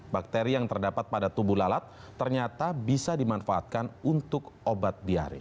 bakteri yang terdapat pada tubuh lalat ternyata bisa dimanfaatkan untuk obat diare